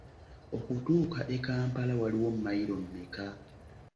Okutuuka e Kampala waliwo mmayiro mmeka?